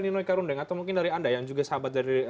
nino ika rundeng atau mungkin dari anda yang juga sahabat dari